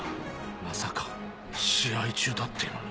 まさか試合中だってのに。